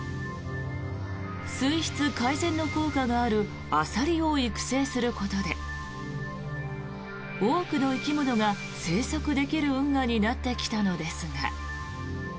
水質改善の効果があるアサリを育成することで多くの生き物が生息できる運河になってきたのですが。